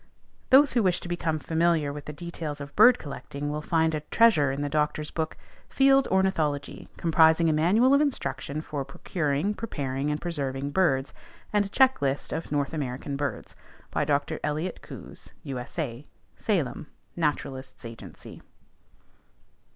Those who wish to become familiar with the details of bird collecting will find a treasure in the doctor's book, "Field Ornithology, comprising a Manual of Instruction for procuring, preparing, and preserving Birds; and a check list of North American Birds. By Dr. Elliott Coues, U.S.A. Salem: Naturalists' Agency."